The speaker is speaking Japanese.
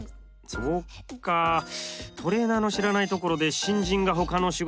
そっかトレーナーの知らないところで新人がほかの仕事にアサイン。